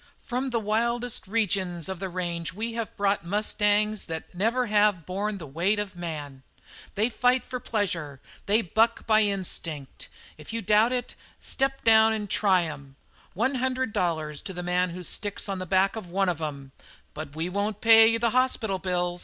"From the wildest regions of the range we have brought mustangs that never have borne the weight of man. They fight for pleasure; they buck by instinct. If you doubt it, step down and try 'em. One hundred dollars to the man who sticks on the back of one of 'em but we won't pay the hospital bill!"